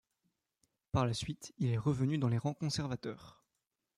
Par la suite, il est revenu dans les rangs conservateurs.